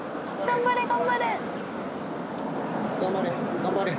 頑張れ頑張れ。